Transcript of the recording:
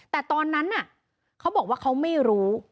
แต่ตอนนั้นเขาบอกว่าเขาไม่รู้